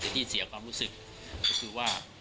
ที่เสียความรู้สึกก็คือว่า